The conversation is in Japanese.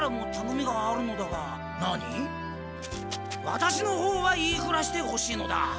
ワタシのほうは言いふらしてほしいのだ。